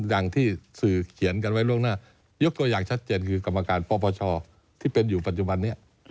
อย่างที่สื่อเขียนกันไว้ล่วงหน้ายกตัวอย่างชัดเจนคือกรรมการปปชที่เป็นอยู่ปัจจุบันนี้